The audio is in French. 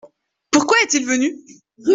Pourquoi est-il venu ?